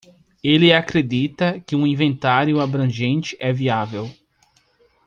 Ele acredita que um inventário abrangente é viável.